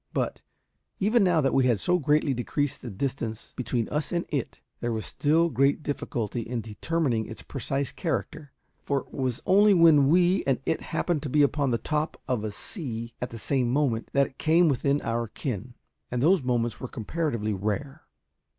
But, even now that we had so greatly decreased the distance between us and it, there was still great difficulty in determining its precise character; for it was only when we and it happened to be upon the top of a sea at the same moment that it came within our ken, and those moments were comparatively rare.